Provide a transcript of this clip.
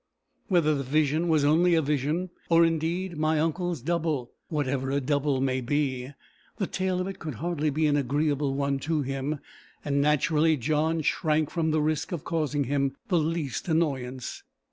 Whether the vision was only a vision, or indeed my uncle's double, whatever a double may be, the tale of it could hardly be an agreeable one to him; and naturally John shrank from the risk of causing him the least annoyance.